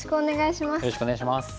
よろしくお願いします。